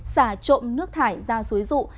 xả trộm nước thải ra suối rụ